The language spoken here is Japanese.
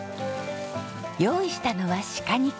用意したのは鹿肉。